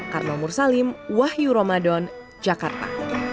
karma mursalim wahyu ramadan jakarta